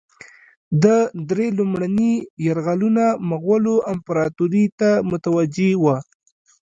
ده درې لومړني یرغلونه مغولو امپراطوري ته متوجه وه.